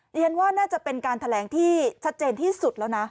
เรียนว่าน่าจะเป็นการแถลงที่ชัดเจนที่สุดแล้วนะ